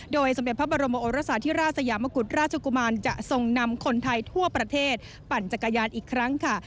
โดยสมเด็จพระบรมโอรสาธิราชสยามกุฎราชกุมารจะทรงนำคนไทยทั่วประเทศปั่นจักรยานอีกครั้งค่ะ